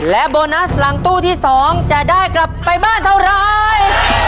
และโบนัสหลังตู้ที่๒จะได้กลับไปบ้านเท่าไร